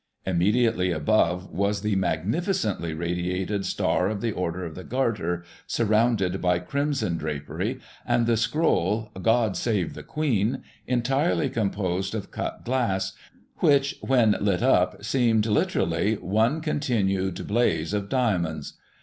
Immediately above was the magnificently radiated star of the Order of the Garter, surrounded by crimson drapery, and the scroll " God save the Queen " entirely composed of cut glass, which, when lit up, seemed, literally, one continued blaze of diamonds.